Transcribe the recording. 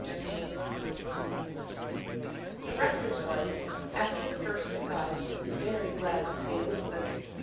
Chapter XIV The Rector's wife, after the first surprise, was very glad to see Elizabeth.